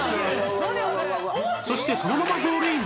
そしてそのままゴールイン